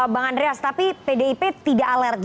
bang andreas tapi pdip tidak alergi kan bekerja dengan pak surya